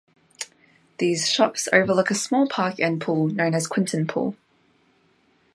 These shops overlook a small park and pool known as Quinton Pool.